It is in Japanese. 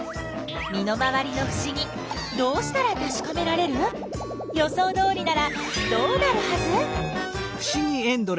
身の回りのふしぎどうしたらたしかめられる？予想どおりならどうなるはず？